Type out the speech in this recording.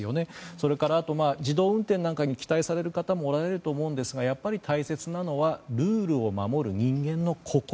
それから、自動運転などに期待される方もおられると思いますが、やっぱり大切なのはルールを守る人間の心。